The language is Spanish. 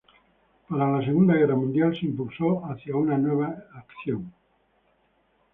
Para la segunda guerra mundial se impulsó hacia una nueva acción.